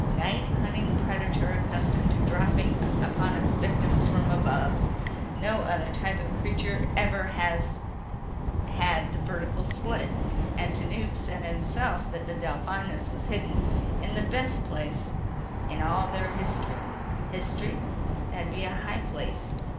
"Night hunting predator accustomed to dropping upon its victims from above. No other type of creature ever has had the vertical slit. And Tanub said himself that the Delphinus was hidden in the best place in all of their history. History? That'd be a high place.